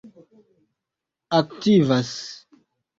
aktivas